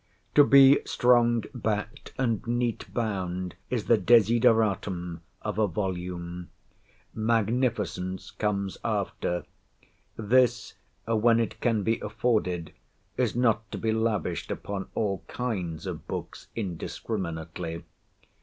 To be strong backed and neat bound is the desideratum of a volume. Magnificence comes after. This, when it can be afforded, is not to be lavished upon all kinds of books indiscriminately.